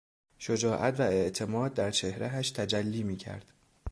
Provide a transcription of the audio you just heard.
شجاعت و اعتماد در چهرهاش تجلی میکرد.